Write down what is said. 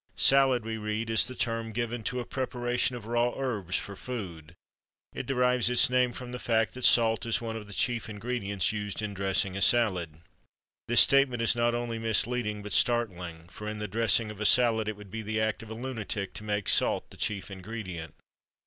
"Salad," we read, "is the term given to a preparation of raw herbs for food. It derives its name from the fact that salt is one of the chief ingredients used in dressing a salad." This statement is not only misleading but startling; for in the "dressing" of a salad it would be the act of a lunatic to make salt the "chief ingredient."